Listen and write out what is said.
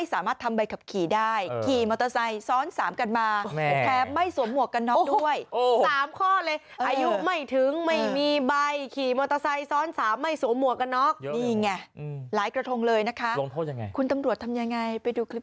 สิบครั้งสิบครั้งสิบครั้งปฏิบัติปฏิบัตินัดดั่งหนึ่งสองสามสี่ห้าหกสิบแปดเจ้าสิบ